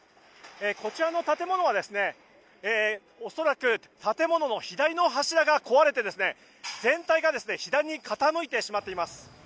こちらの建物は恐らく建物の左の柱が壊れて全体が左に傾いてしまっています。